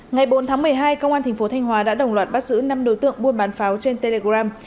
ngày bốn tháng một mươi hai công an thành phố thanh hóa đã đồng loạt bắt giữ năm đối tượng buôn bán pháo trên telegram